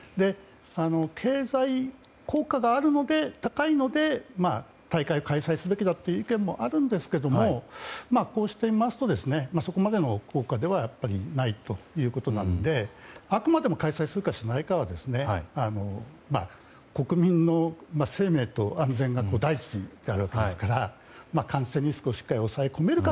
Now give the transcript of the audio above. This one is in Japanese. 経済効果が高いので大会を開催すべきという意見もあるんですがこうして見ますとそこまでの効果ではないということなのであくまでも開催するかしないかは国民の生命と安全が第一であるわけですから感染リスクを抑え込めるかで